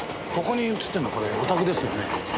ここに映ってるのこれお宅ですよね？